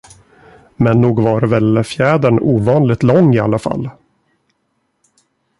Men nog var väl fjädern ovanligt lång i alla fall?